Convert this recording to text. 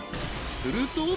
［すると］